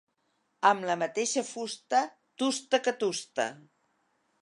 Amb la mateixa fusta, tusta que tusta.